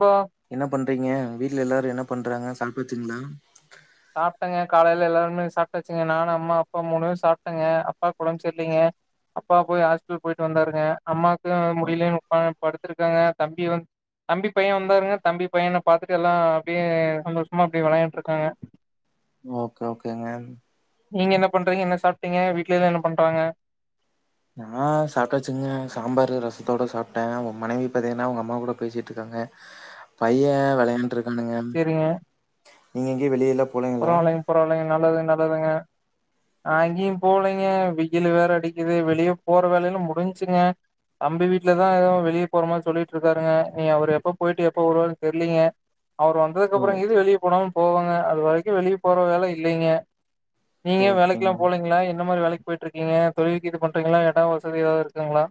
Bro என்ன பண் [unintelligible] வீட்டுல எல்லாரும் என்ன பண்றாங்க சாப்பாச்சங்களா சாப்பட்டேங்க காலையில எல்லாருமே சாப்டச்சுங்க நானும் அம்மா அப்பா மூணும சாப்பட்டேங்க அப்பா குழம்பு சரியலீங்க அப்பா போய் ஹாஸ்பேட்ல் போயிட்டு வந்தாருங்க அம்மாவுக்கு முடியலு படுத்திருக்காங்க தம்பி தம்பி பையன் வந்தாருங்க தம்பி பையனை பாத்துட்டு எல்லாம் அப்படியே சந்தோஷமா அப்டியே வெளையாட்டு இருக்காங்க ஓகே ஓகேங்க நீங்க என்ன பண்றீங்க என்ன சாப்பட்டீங்க வீட்லல்லா என்ன பண்றாங்க நான சாப்டாசுங்க சாம்பார் ரசத்தோட சாப்பட்டேன் மனைவி பாத்தீங்கன்னா உங்க அம்மா கூட பேசிட்டு இருக்காங்க பையன் வெளையாண்டு இருக்கு அந்தங்க நீங்க எங்கேயும் வெளியிலா பரவாலைங்க பரவாலைங்க நல்லது நல்லதுங்க நான அங்கேயும் போலைங்க வெயிலு வேற அடிக்குது வெளியே போற வேலையிலும் முடிஞ்சுங்க தம்பி வீட்டுலதான் எவும் வெளியே போற மாரி சொல்லிட்டு இருக்காருங்க நீ அவரு எப்ப போயிட்டு எப்ப வருவாரு தெரிலீங்க அவர் வந்ததுக்கு ஓ அப்பறம் இது வெளியே போனாலும் போவாங்க அது [unintelligible] எங்க வெளியே போற வேல இல்லைங்க நீங்க ஓகேங்க வேலைக்கெலா போலீங்களா என்ன மாரி வேலைக்கு போயிட்ருக்கீங்க தொழல் கீது பண்றீங்களா ஏட்டா வசதி ஏதாவது இருக்குங்களா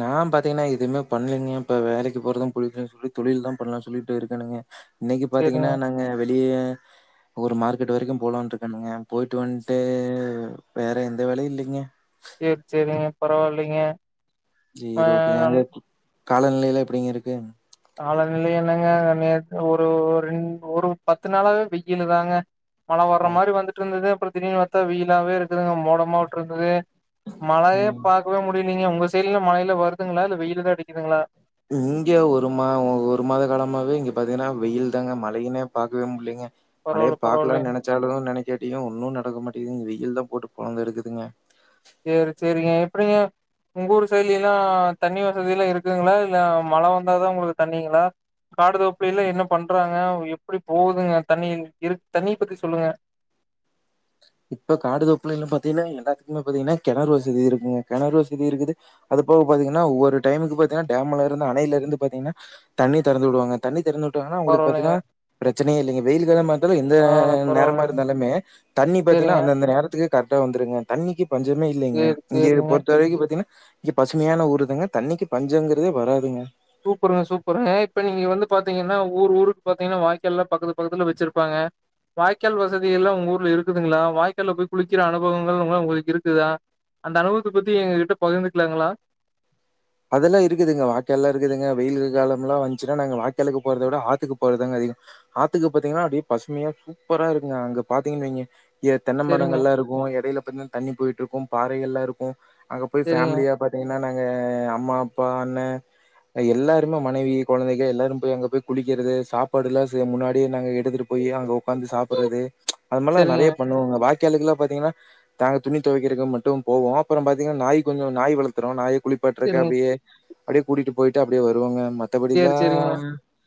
நா பாத்தீங்கன்னா எதுவுமே பண்ணலீங்க இப்ப வேலைக்கு போறது புடிக்கலன்னு சொல்லி தொழில்தா பண்ணலா சொல்லிட்டேருக்கேனுங்க இன்னிக்கு சரிங்க. பாத்தீங்கன்னா நாங்க வெளி டியே ஒரு மார்க்கெட் வரைக்கு போலான்ற்ருக்கேனுங்க போயிட்டு வந்ட்டு வேற எந்த வேலையு இல்லைங்க சேரி செரிங்க பரவாயில்லைங்க அ நல் [unintelligible] காலநிலையலா எப்டிங்க இருக்கு காலநிலை என்னங்க ஒன் இயர்க்கு ஒரு ஒரு ரென் ஒரு பத்து நாளாவே வெயிலு தாங்க மழ ஓ வர்ற மாரி வந்துட்டு இருந்தது திடின்னு வாத்தா வெயிலாவே இருக்குதுங்க மோடமா விட்ற்ருந்ததே மழயே ம் பார்க்கவே முடியலீங்க உங்க தெரில மழையில வருதுங்களா இல்ல வெயிலுதா அடிக்குதுங்களா இங்க ஒரு மா ஒரு மாத காலமாவே இங்க பாத்தீங்கன்னா வெயில் தாங்க மழயினே பாக்கவே முல்லங்க மலயே பரவால்ல, பரவால்லைங்க. பாக்கலான் நெனைச்சாலு நெனைக்கேட்டியு ஒன்னு நடக்க [unintelligible] வெயில் தா போட்டு பொலந்தெடுக்குதுங்க சேரி செரிங்க எப்டிங்க உங்க ஊர் செயில்ல எல்லா தண்ணி வசதி எல்லா இருக்குங்களா இல்ல மழ வந்தாதா உங்களுக்கு தண்ணிங்களா காடு தோப்பில எல்லா என்ன பண்றாங்க எப்டி போகுதுங்க தண்ணி இரு தண்ணி பத்தி சொல்லுங்க இப்ப காடு தோப்புலில பாத்தீங்கன்னா எல்லாத்துக்குமே பாத்தீங்கன்னா கெணறு வசதி இருக்குங்க கெணறு வசதி இருக்குது அதுப்போக பாத்தீங்கன்னா ஒவ்வொரு டைமுக்கு பாத்தீங்கன்னா டேம்ல இருந்து அணையில இருந்து பாத்தீங்கன்னா தண்ணி திறந்து விடுவாங்க தண்ணி திறந்து உட்டானா உங்களுக்கு பரவால்லைங்க பாத்தீங்கன்னா பிரச்சனே இல்லைங்க வெயில் கால [unintelligible] எந்த பரவால்ல நேரமா பரவால்லைங்க இருந்தாலுமே [unintelligible] பாத்தீங்கனா சேரிங்க அந்தந்த நேரத்தில் இது கரக்டா வந்துருங்க தண்ணிக்கு பஞ்சமே இல்லேங்க சேரி இங்க சேரிங்க பொறுத்த வரைக்கு பாத்தீங்கன்னா இங்க பசுமையான ஊருதாங்க தண்ணிக்கு பஞ்சங்கிறதே வராதுங்க சூப்பருங்க சூப்பருங்க இப்ப நீங்க வந்து பாத்தீங்கன்னா ஊர் ஊருக்கு பாத்தீங்கன்னா வாய்க்கால் எல்லா பக்கத்து பக்கத்துல வச்சிருப்பாங்க வாய்க்கால் வசதி எல்லா உங்க ஊர்ல இருக்குதுங்களா வாய்க்கால்ல போய் குளிக்கிற அனுபவங்கள் உங்களுக்கு இருக்குதா அந்த அனுபவத்தை பத்தி எங்க கிட்ட பகிர்ந்துக்கலாங்களா அதெல்லா இருக்குதுங்க வாய்க்கால் எல்லா இருக்குதுங்க வெயில் காலம்லா வந்துச்சுன்னா நாங்க வாய்காலுக்கு போறத விட ஆத்துக்கு போறதாங்க அதிக ஆத்துக்கு பார்த்தீங்கன்னா அப்டியே பசுமையா சூப்பரா இருக்குங்க அங்க பாத்தீங்கன்னு வைங்க எ தென்னை மரங்கள் சேரிங்க எல்லா இருக்கு இடையில [unintelligible] தண்ணி போயிட்ற்ருக்கோ பாறைகல்ல இருக்கோ அங்க போய் சேரிங்க ஃபேமிலியா பாத்தீங்கன்னா ஏ அம்மா அப்பா அண்ண எல்லாருமே மனைவி குழந்தைக எல்லாரு போய் அங்க போய் குளிக்கிறது சாப்பாடு எல்லா முன்னாடியே நாங்க எடுத்துட்டு போயி அங்க வந்து சாப்பிட்றது அதுமாரில்லா சேரிங்க நெறைய பண்ணுவோங்க வா ய்காலுகெலா பாத்தீங்கன்னாங்க தாங்க துணி துவைக்கிறக மட்டும் போவோ அப்புற பாத்தீங்கா நாய் கொஞ்ச நாய் வளர்த்தறோ நாய் குளி [unintelligible] சேரிங்க அப்டியே கூட்டிட்டு போயிட்டு அப்டியே வருவோங்க சேரி சேரிங்க மற்றபடிலாம்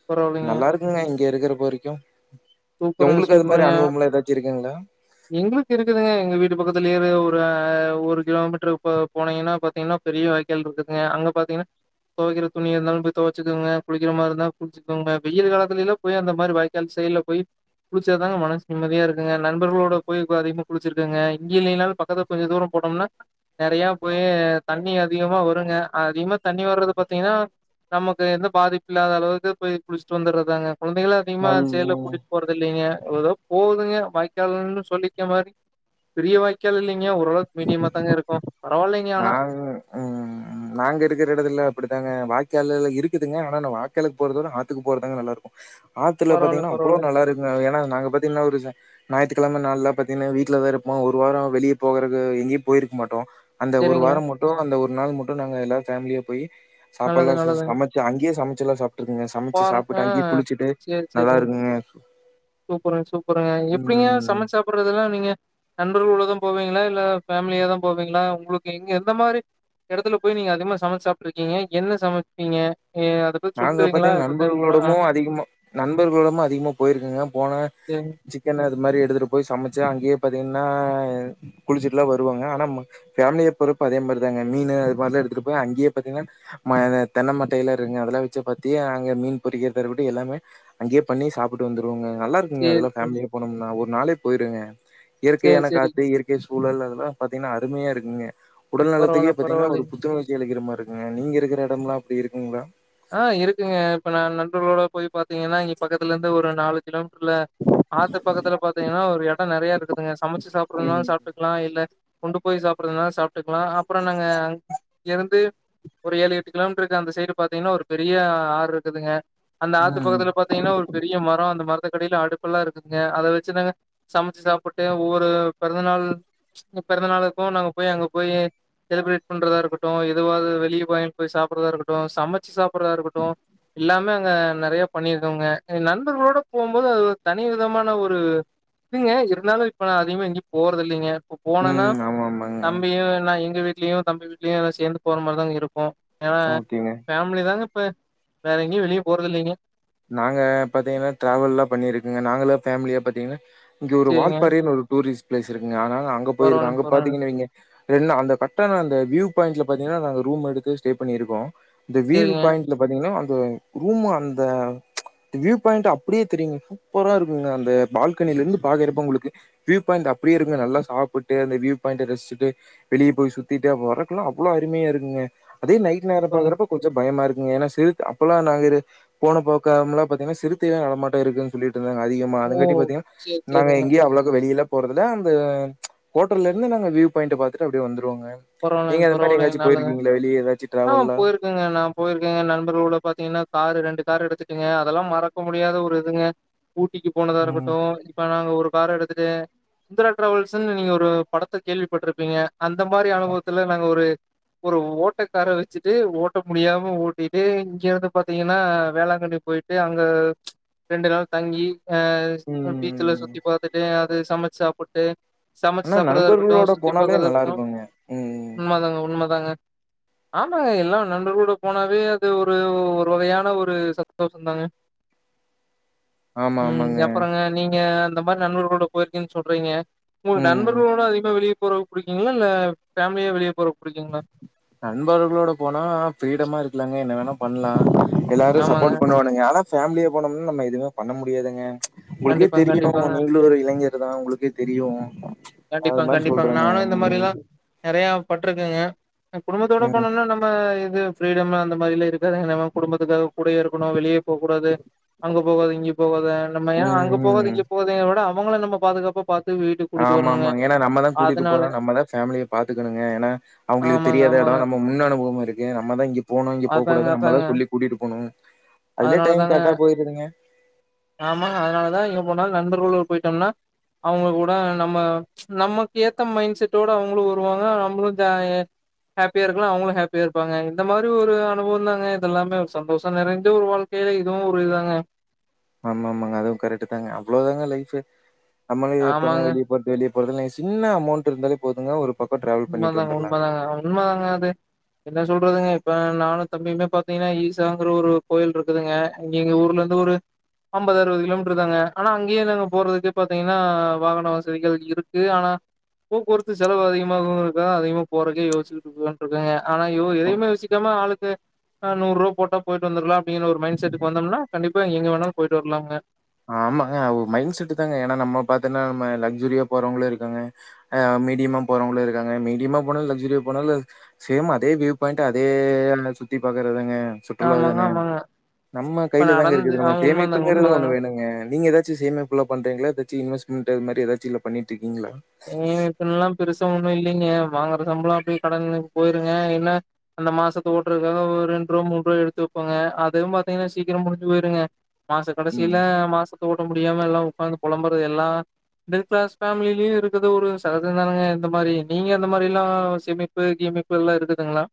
பரவாயில்லைங்க நல்லா இருக்குங்க இங்கே இருக்கிற போரைக்கும் சூப்பருங்க சூப்பருங்க இருக்குங்களா? எங்களுக்கு இருக்குதுங்க எங்க வீட்டு பக்கத்துலேயே ஒரு ஒரு கிலோமீட்டர் போனீங்கன்னா பாத்தீங்கன்னா பெரிய வாய்கால் இருக்குதுங்க அங்க பாத்தீங்கன்னா துவக்கிற துணியா இருந்தாலு துவச்சிகங்க குளிக்கிற மாதிரி இருந்தாலு குளிச்சீகங்க வெயில் காலத்துல போய் அந்த மாதிரி வாய்க்கால் சைட்ல போய் குளிச்சதாங்க மனசு நிம்மதியா இருக்குங்க நண்பர்களோட போய் அதிகமா குளிச்சிருக்குங்க இங்கே இலைனாலு பக்கத்துல கொஞ்சம் தூரம் போனோம்னா நிறைய போய் தண்ணி அதிகமா வருங்க அதிகமா தண்ணி வர்றது பார்த்தீங்கன்னா நமக்கு எந்த பாதிப்பு இல்லாத அளவுக்கு போய் குளிச்சுட்டு வந்துடுறதாங்க குழந்தைகள அதிகமாக சேலோ நல் குடி போறத இல்லைங்க எ்தோ போகுதுங்க வாய்க்காலன்னு சொல்லிக்க மாதிரி பெரிய வாய்க்கால் இல்லைங்கா ஓரளவுக்கு மீடியமா தாங்க இருக்கும் நா உம் நாங்க இருக்கிற இடத்துல அப்படித்தாங்க வாய்க் வாய் கால்ல இருக்குதுங்க ஆனா வாய்க்காலுக்கு போறத விட ஆத்துக்கு போறதுதாங்க நல்லா இருக்கும் ஆத்துல பரவால்ல பாத்தீங்கன்னா அவ்வளோ பரவால்ல நல்லா இருக்கு ஏன்னா நாங்க பாத்தீங்கன்னா ஒரு ஞாயிறுக்கிழமை நாள்ள பாத்தீங்கன்னா வீட்டுலதான் இருப்போம் ஒரு வாரம் வெளியே போகறக்கு எங்கேயும் போயிருக்க மாட்டோம் அந்த ஒரு செரிங்க வாரம் மட்டும் அந்த ஒரு ஒரு நாள் மட்டும் நாங்க எல்லாரு ஃபேமிலியா போயி நல்லது சாப்பாடெல்லாம் நல்லதுங்க சமைச்சி அங்கயே சமைச்சி சில சாப்பாட் இருக்குங்க சமைச்சு பாருங்க ஆ சாப்பிட்டு அங்கேயே குளிச்சுட்டு சேரி நல்லா சேரிங்க இருக்குங்க சூப்பருங்க சூப்பருங்க எப்படிங்க ம். சமச்சு சாப்பிட்றதெல்லாம் நீங்க நண்பர்கள் உலகம் போவீங்களா இல்ல ஃபேமிலியாதா போவீங்களா உங்களுக்கு எங்க எந்த மாதிரி இடத்துல போய் நீங்க அதிகமா சமைச்சு சாப்பிட்டு இருக்கீங்க என்ன சமைப்பீங்க எ அத பத்தி நாங்க சொல்லுவீங்களா? அத பாத்தின்னா பத்தி தெரிஞ்சுக்கலாம். ஆ நண்பர்களோடமும் அதிகமா போயிருக்கீங்க போன சரிங்க. சிக்கன் அது மாதிரி எடுத்துட்டு போய் சமைச்சி அங்கேயே பாத்தீங்கன்னா குளிச்சிட்டுலா வருவேக ஆனா ஃபேமிலிய பொருத்து அதே மாதிரி தாங்க மீனு அந்த மாதிரி எடுத்துட்டு போய் அங்கே பாத்தீங்கன்னா தென்ன மட்டை எல்லா இருக்கு அதெல்லாம் வச்ச பத்தியே அங்க மீன் பொறிக்கிறத விட்டு எல்லாமே அங்கயே பண்ணி சாப்பிட்டு வந்துருவோங்க நல்லாருக்குங்க சரி, அதெல்லா சரி. பேமிலியோட போனம்னா நாளே போயிருங்க சரி, இயற்கையான காத்து சரிங்க. இயற்கை சூழல் பாத்தீங்கன்னா அருமையா இருக்குங்க உடல் பரவால்ல, நலத்துக்கே பாத்தீங்கன்னா ஒரு பரவால்லைங்க. புத்துணர்ச்சி அளிக்கிற மாதிரி இருக்குங்க நீங்க இருக்கிற இடம் எல்லாம் போயிருக்கீங்களா ஆஹ் இருக்குங்க இப்ப நான் நண்பர்களோட போய் பார்த்தீங்கன்னா இங்க பக்கத்துல இருந்து ஒரு நாலு கிலோ மீட்டர் ல ஆத்து பக்கத்துல பாத்தீங்கன்னா ஒரு இடம் நிறைய இருக்குதுங்க சமைச்சு ம் சாப்பிறதுன்னாலும் சாப்பிட்டுக்கலாம் இல்ல கொண்டு போய் சாப்பிடறதுனாலு சாப்பிட்டுக்கலாம் அப்புற என்னங்க அங்கே இருந்து ஒரு ஏழு எட்டு கிலோமீட்டருக்கு அந்த சைடு பார்த்து பாத்தீங்கனா ஒரு பெரிய ஆறு இருக்குதுங்க அந்த ஆத்து ம் பக்கத்துல பாரத்தீங்கன்னா ஒரு பெரிய மரம் அந்த மரம் இந்த கடைல அடுப்பல்லாம் இருக்குங்க அத வச்சு தாங்க சமைச்சு சாப்பிட்டு ஒவ்வொரு பிறந்தநாள் ச்சு உங்க பிறந்தநாளுக்கும் நாங்க போய் அங்க போய் செலிபேரேட் பண்ணறதாக இருக்கட்டும் இதுவாது வெளிய வாங்கி சாப்றதாக இருக்கட்டும் சமைச் [unintelligible] ப்புற இருக்கட்டும் எல்லாமே அங்கே நிறைய பண்ணியிருகோங்க நண்பர்களோடு போம்போது அது ஒரு தனி விதமான ஒரு இதுங்க இருந்தாலும் இப்போ நான் அதிகமாக எங்கேயே போறதில்லைங்க இப்ப போனனா ம் ஆமா ஆமாங்க தம்பியும் ந எங்க வீட் லேயும் தம்பி வீட்லேயும் சேர்ந்து போற மாரிதாங்க இருக் ஓகேங்க [unintelligible] ஃபேமிலி தாங்க இப்ப வேற எங்கேயும் வெளிய போறதில்லைங்க நாங்க பாத்தீங்கன்னா டிராவல் எல்லாம் பண்ணிருக்கங்க நாங்கள ஃபேமிலியா பாத்தீங்கன்னா இங்கே ஒரு சேரிங்க. வால்பாறைன்னு ஒரு டூரிஸ்ட் பிளேஸ் இருக்குங்க ஆனா அங்க போயிருக்க பரவால்லைங்க அங்க பரவால்லைங்க. பாத்தீங்கன்ன வைங்க ரென்னா அந்த பக்கம் அந்த வியூ பாய்ண்டுல பாத்தீங்கன்னா நாங்க ரூம் எடுக்க ஸ்டே பண்ணியிருக்கோம் இந்த வியூ சேரிங்க. பாய்ண்டுல பாத்தீங்கன்னா அ ரூம் அந்த ச்ச வியூ பாய்ண்ட் அப்படியே தெரியுங்க சூப்பரா இருக்குங்க அந்த பால்கனில இருந்து பாக்றப்ப உங்களுக்கு வியூ பாய்ண்ட் அப்படியே இருங்க நல்லா சாப்பிட்டு அந்த வியூ பாய்ண்ட் ரசிட்டு வெளியே போய் சுத்திட்டு வரக்கெலாம் அவ்வளவு அருமையா இருக்குங்க அதே நைட் நேர சூப்பருங்க. பாக்றப்ப கொஞ்சம் பயமா இருக்கு ஏன்னா [unintelligible] அப்பல்லாம் நாங்க இரு போன போ காமலா பாத்தீங்கனா சிறுத்தையே நடமாட்ட இருக்குன்னு சொல்லி சொல்லிட்டு இருந்தாங்க அதிகமா ஓ! அதங்காட்டி பாத்தீங்கன்னா சேரி நாங்க சேரிங்க. எங்கேயோ அவ்ளவுக்கு வெளியிலப் போறதுல அந்த ச்சு ஹோட்டல இருந்து நாங்க வியூ பாய்ண்ட் பாத்துட்டு அப்படியே வந்துரு பரவாயில்லைங்க பரவாயில்லைங்க நல்லது வெளிய ஏதாச்சு ஆமா டிராவல்லா போயிருக்கேங்க நான் போயிருக்கேங்க நண்பர்களோட பாத்தீங்கன்னா காரு ரெண்டு காரு எடுத்துட்டுங்க அதெல்லாம் மறக்க முடியாத ஒரு இதுங்க ஊட்டிக்கு போனதா ம் இருக்கட்டும் இப்ப நாங்க ஒரு கார் எடுத்துட்டு சுந்தரா டிராவல்ஸ்ன்னு நீங்க ஒரு படத்தை கேள்விப்பட்டிருப்பீங்க அந்த மா மாரி அனுபவத்துல நாங்க ஒரு ஒரு ஓட்டக்கார வச்சுட்டு ஓட்ட முடியாம ஓட்டிட்டு இங்க இருந்து பாத்தீங்கன்னா வேளாங்கண்ணி போயிட்டு அங்க ரெண்டு நாள் தங்கி ஆ பீச்சுல ம் சுத்தி பாத்துட்டு அது சமைச்சு சாப்புட்டு சமைச்சு ஆனா சாப்பிடறதாக இருக்கட்டும் நண்பர்களோட சுத்தி போனாலே பாக்றதாக நல்லா இருக்கட்டும் இருக்குங்க ம் உண்மை தாங்க உண்மை தாங்க ஆமாங்க எல்லாம் நண்டர் கூட போனாவே அது ஒரு ஒரு வகையான ஒரு சந்தோஷம் தாங்க ஆமா உம் ஆமாங்க அப்புறங்க நீங்க இந்த மாரி நண்பர்களோட போயிருக்கன்னு சொல்றீங்க உங்க ம் நண்பர்களோட அதிகமா வெளிய போறது புடிக்குங்களா இல்ல ஃபேமிலியா வெளிய போறது புடிக்குங்களா நண்பர்களோட போனா ஃபிரீடமா இருக்கலாங்க என்ன வேணா பண்ணலாம் எல்லாரும் ஆமாங்க. சப்போர்ட் பண்ணுவானுங்க ஆனா ஃபேமிலிய போனோம்னா நம்ம எதுவுமே பண்ண முடியாதுங்க உங்களுக்கே கண்டிப்பாங்க, தெரியும் கண்டிப்பாங்க. நீங்களும் ஒரு இளைஞர் தா உங்களுக்கே தெரியும் கண்டிப்பாங்க கண்டிப்பாங்க நானும் இந்த மாதிரி எல்லாம் நெறைய பட் க்கேங்க குடும்பத்தோட ம் போனோம்னா நம்ம அங்க ஃப்ரீடம்லாம் அந்த மாதிரிலாம் இருக்காதுங்க நம்ம குடும்பத்துக்காக கூடயே இருக்கணும் வெளியே போகக்கூடாது அங்க போகாத இங்க போகாத நம்ம ஏ அங்க போகத ம் இங்க போகத விட அவங்கள நம்ம பாதுகாப்ப பாத்து வீட்டு ஆமா ஆமாங்க ஏன்னா நம்மதான் கூட்டிட்டு போறோம் நம்மதான் ஃபேமிலிய பாத்துக்குகனுங்க ஏன்னா அவங்களுக்கு ஆமாங்க, தெரியாத ஆமாங்க. இடம் நம்ம முன் அனுபவம் இருக்கு நம்மதான் இங்க போணும் இங்க போக அதாங்க, கூடாது அதாங்க. நம்மதான் சொல்லி கூட்டிட்டு போணும் அதுலே அதனால டைம் தாங்க கரெக்டா போயிருதுங்க ஆமாங்க அதனாலதான் எங்க போனாலும் நண்பர்களும் போயிட்டோம்னா அவங்க கூட நம்ம நமக்கு ஏத்த மைண்ட் செட்டோட அவங்களும் வருவாங்க நம்மளும் ஜ ஹாப்பியா இருக்கலாம் அவங்களும் ஹாப்பியா இருப்பாங்க இந்த மாதிரி ஒரு அனுபவம் தாங்க இதெல்லாமே ஒரு சந்தோஷம் நெறைஞ்ச ஒரு வாழ்க்கையில இதுவும் ஒரு இதாங்க ஆமா ஆமாங்க அதுவும் கரெக்ட் தாங்க அவ்வளவுதாங்க லைஃப் நம்மளு எப்பங்க ஆமாங்க. வெளிய போறது சின்ன அமௌண்ட் இருந்தாலே போதுங்க ஒரு பக்கம் டிராவல் பண்ணிட்டு உண்மதாங்க உண்ம வந்துரலாங்க. தாங்க உண்ம தாங்க அது என்ன சொல்றதுங்க இப்ப நானும் தம்பியுமே பாத்தீங்கன்னா ஈசாங்கற ஒரு கோயில் இருக்குதுங்க இங்க எங்க ஊர்ல இருந்து ஒரு அம்பது அறுபது கிலோமீட்டர் தாங்க ஆனா அங்கேயே நாங்க போறதுக்கே பாத்தீங்கன்னா வாகன வசதிகள் இருக்கு ஆனா போக்குவரத்து செலவு அதிகமா மா இருக்க அதிகமா போறதுகே யோசச்சுட்டு போல இருக்கெங்க ஆனா யோ எதையுமே யோசிக்காம ஆளுக் நூறு ரூபா போட்ட போயிட்டு வந்துரலாம் அப்படிங்க ஒரு மைண்ட் செட்டுக்கு வந்தோம்னா கண்டிப்பா எங்க வேணாலும் போயிட்டு வர்லாங்க ஆமாங்க மைண்ட் செட் தாங்க ஏன்னா நம்ம பாத்தோம்ன்னா நம்ம லக்சுரியா போறவங்களும் இருக்காங்க ஆஹ் மீடியமா போறவங்களும் இருக்காங்க மீடியமா போனாலும் லக்சுரியா போனாலும் சேம் அதே வியூ பாயிண்ட் அதே சுத்தி பாக்குறதாங்க சுற்றுலா ஆமாங்க, தான ஆமாங்க. நம்ம இப்ப கையில தாங்க நடந்து இருக்குது ஆ நம்ம உண்மதாங்க, சேமிப்புங்கறது உண்மதாங்க. ஒண்ணு வேணுங்க நீங்க ஏதாச்சும் சேமிப்பெல்லா பண்றீங்கள ஏதாச்சும் இன்வெஸ்மென்ட் இதுமாறி ஏதாச்சும் இல்ல பண்ணிட்டு இருக்கு ஏ இதல்லாம் பெருசு ஒன்னும் இல்லைங்க வாங்குற சம்பளம் அப்படியே கடன்க்கு போயிருங்க ஏன்னா அந்த மாசத்த ஓட்டுறக்காக ஒரு ரெண்ரூபா மூணு ரூபா எடுத்து வைப்பேங்க அதுவும் பாத்தீங்கன்னா சீக்கிரம் முடிஞ்சு போயிருங்க மாச ம். கடைசியில மாசத்த ஓட் முடியாம எல்லாம் உட்காந்து புலம்பறது எல்லாம் மிடில் கிளாஸ் ஃபேமிலிலையும் இருக் இருக்கது ஒரு சகஜதானங்க இந்த மாதிரி நீங்க அந்த மாதிரி எல்லாம் சேமிப்பு கீமிப்பு எல்லாம் இருக்குதுங்களா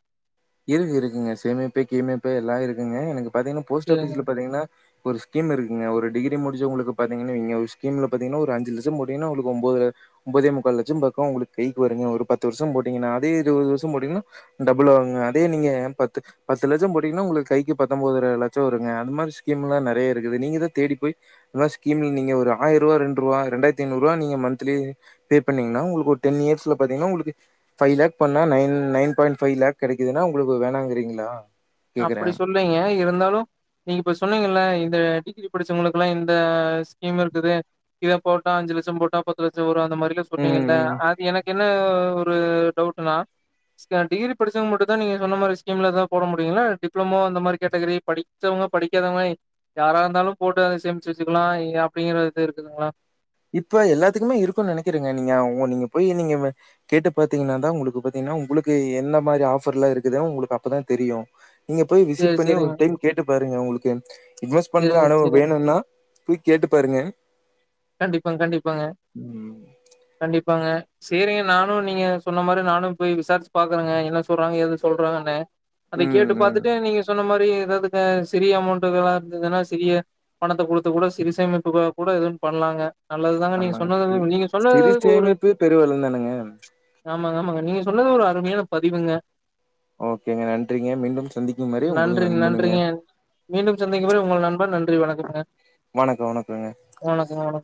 இருக்கு இருக்குங்க சேமிப்பே கீமிப்பே எல்லாம் இருக்குங்க எனக்கு பாத்தீன்னா போஸ்ட் சேரி ஆபீஸ்ல பாத்தீங்கன்னா ஒரு ஸ்கீம் இருக்குங்க ஒரு டிகிரி முடிச்சவுங்க அது பாத்திங்கனு வைங்க ஒரு ஸ்கீம்ல பாதிங்கன்னா ஒரு அஞ்சு லச்சம் போட்டிங்கனா உங்களுக்கு ஒன்பது ஒன்பதே முக்கால் லச்சம் பக்கம் உங்களுக் கைக்கு வருங்க ஒரு பத்து வருஷம் போட்டிங்கனா அதே இருபது வருஷம் போட்டிங்கனா டபுள் ஆகுங்க நீங்க பத்து லட்சம் போட்டிங்கண்ணா உங்களுக்கு கைக்கு பத்தோன்பதரை லட்சம் வருங்க அது மாதிரி ஸ்கீம் எல்லாம் நிறைய இருக்குநீங்க தான் தேடி போயிஆயிர ரூபா இரண்டுறுவா இரண்டாயரத்துஐநூறு ரூபா மந்திலி பே பண்ணீங்கன்னா டென் இயர்ஸ்ல பாத்தீங்கண்ணா பைவ் லேக் பண்ணீங்கண்ணா நயன் பாய்ண்ட் பைவ் லேக் கிடைக்குது இதுன்னா உங்களுக்கு வேணாங்கறீங்களா அப்படி சொல்லீங்க இருந்தாலும் நீங்க இப்ப சொன்னீங்க இந்த டிகிரி படிச்சவங்களுக்குல்லாம் இந்த ஸ்கீம் இருக்குது இத போட்டா அஞ்சு லட்சம் போட்டா பத்து லட்சம் வரும் மாரில சொன்னீங்க ம், ம். அது எனக்கு என்ன ஒரு டவுட்னா டிகிரி படிச்ச மட்டும் தான் நீங்க சொன்ன மாரி ஸ்கீம்ல தான் போட முடி அப்டிங்களா டிப்ளமோ அந்த மாரி கேட்டகிரி படிச்சவங்க படிக்காதவங்க யாரா இருந்தாலும் போட்டு அதை சேமிச்சு வச்சுக்கலாம் அப்படிங்கறது இருக்குதுங்களா இப்ப எல்லாத்துக்குமே இருக்கும்னு நினைக்கிறறேங்க நீங்க நீங்க போய் நீங்க கேட்டு பாத்தீங்கன்னா தான் உங்களுக்கு பாத்தீங்கன்னா உங்களுக்கு எந்த மாதிரி ஆஃபர் எல்லாம் இருக்குது உங்களுக்கு அப்பதான் தெரியும் நீங்க போய் சரி, விசிட் பண்ணி ஒரு சரிங்க. டைம் கேட்டு பாருங்க உங்களுக்கு இன்வெஸ்ட் பண்ற சரிங்க, அளவு சரிங்க. வேணும்னா போய் கேட்டு பாருங்க கண்டிப்பாங்க கண்டிப்பாங்க ம். கண்டிப் ப்பாங்க சேரிங்க நானும் நீங்க சொன்ன மாரி நானும் போய் விசாரிச்சு பாக்குறங்க என்ன சொல்றாங்க ஏது சொல்றாங்கன்னு அதை ம், கேட்டு ம். பாத்துட்டு நீங்க சொன்ன மாரி ஏதாவது சிறிய அமௌண்ட இருதுன்னா சிறிய பணத்தை குடுத்து கூட சிறு சேமிப்பு கூட பண்ணலாங்க ஆமாங்க சிறு ஒரு சேமிப்பு பெருவெள்ளம் தானங்க ஆமாங்க ஆமாங்க நீங்க சொன்னது ஒரு அருமையான பதிவுங்க ஓகேங்க நன்றிங்க மீண்டும் சந்திக்கும் மாதிரி உங்களுக்கு நன்றி நண்பனுங்க நன்றிங்க மீண்டும் சந்திக்கும் வரை உங்கள் நண்பன் நன்றி வணக்கம் வணக்கங்க வணக்கம்